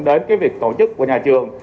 đến việc tổ chức của nhà trường